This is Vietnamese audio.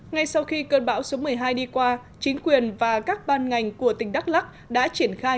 ngay sau khi cơn bão số một mươi hai đi qua chính quyền và các ban ngành của tỉnh đắk lắc đã triển khai